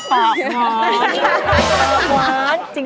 ปากหวาน